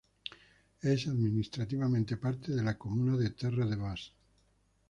Es administrativamente parte de la comuna de Terre-de-Bas.